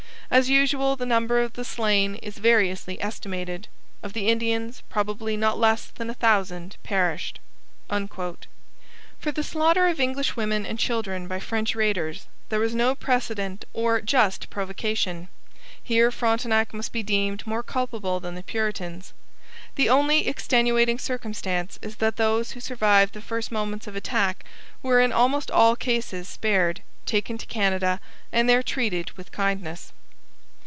As usual the number of the slain is variously estimated. Of the Indians probably not less than a thousand perished.' For the slaughter of English women and children by French raiders there was no precedent or just provocation. Here Frontenac must be deemed more culpable than the Puritans. The only extenuating circumstance is that those who survived the first moments of attack were in almost all cases spared, taken to Canada, and there treated with kindness.